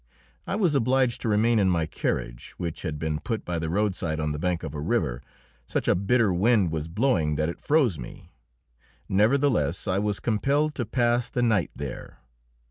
I was obliged to remain in my carriage, which had been put by the roadside on the bank of a river; such a bitter wind was blowing that it froze me. Nevertheless, I was compelled to pass the night there.